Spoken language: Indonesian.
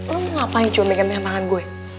lo mau ngapain cuenegin pemandangan gue